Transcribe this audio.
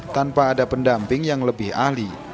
tanpa ada pendamping yang lebih ahli